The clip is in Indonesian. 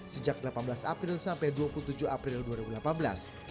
sejak delapan belas april sampai dua puluh tujuh april dua ribu delapan belas